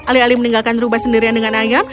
alih alih meninggalkan rubah sendirian dengan ayam